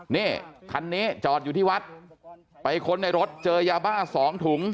นี่คันนี้จอดอยู่ที่วัดไปค้นในรถเจอยาบ้า๒ถุง